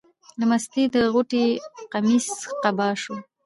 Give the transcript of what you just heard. له مستۍ د غوټۍ قمیص قبا شو.